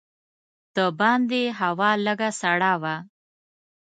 د باندې هوا لږه سړه وه.